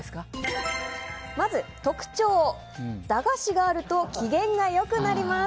まず特徴、駄菓子があると機嫌が良くなります。